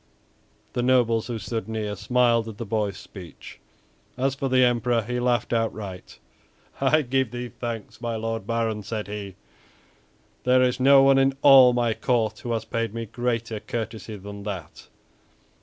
The nobles who stood near smiled at the boy's speech. As for the Emperor, he laughed outright. "I give thee thanks, my Lord Baron," said he; "there is no one in all my court who has paid me greater courtesy than that."